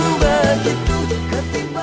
makasih ya kang